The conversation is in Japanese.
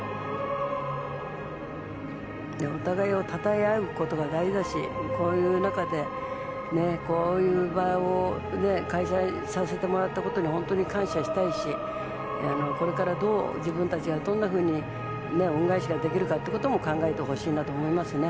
お互いをたたえ合うことが大事だしこういう中で、こういう場を開催させてもらったことに本当に感謝したいしこれから自分たちがどんなふうに恩返しができるかってことも考えてほしいと思いますね。